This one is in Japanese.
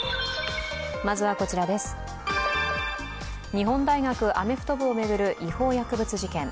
日本大学アメフト部を巡る違法薬物事件。